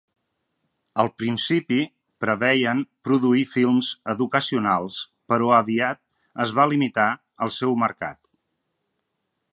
Al principi preveien produir films educacionals però aviat es va limitar el seu mercat.